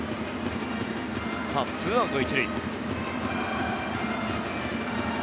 ２アウト１塁。